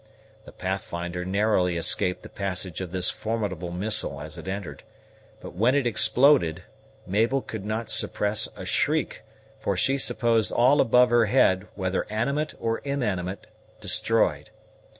The Pathfinder narrowly escaped the passage of this formidable missile as it entered; but when it exploded, Mabel could not suppress a shriek, for she supposed all over her head, whether animate or inanimate, destroyed.